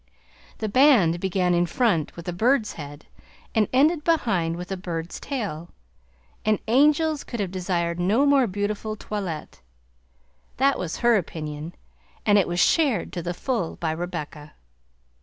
The band began in front with a bird's head and ended behind with a bird's tail, and angels could have desired no more beautiful toilette. That was her opinion, and it was shared to the full by Rebecca.